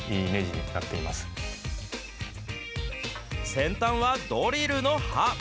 先端はドリルの刃。